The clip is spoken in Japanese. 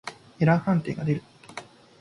エラー判定が出る。